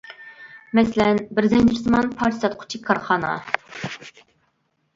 مەسىلەن بىر زەنجىرسىمان پارچە ساتقۇچى كارخانا.